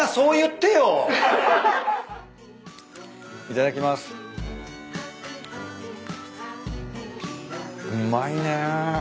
うまいね。